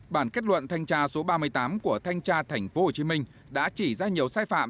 bản kết luận thanh tra số ba mươi tám của thanh tra tp hcm đã chỉ ra nhiều sai phạm